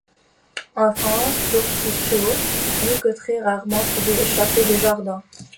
En France, l'artichaut n'est que très rarement trouvé échappé des jardins.